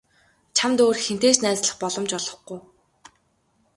Чамд өөр хэнтэй ч найзлах боломж олгохгүй.